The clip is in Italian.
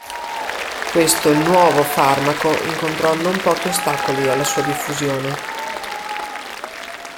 Questo "nuovo" farmaco incontrò non pochi ostacoli alla sua diffusione.